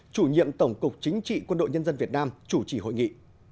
chủ nhiệm tổng cục chính trị quân đội nhân dân việt nam chủ trì hội nghị